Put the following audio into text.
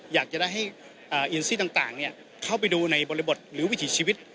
อยากจะได้ให้อินซี่ต่างเข้าไปดูในบริบทหรือวิถีชีวิต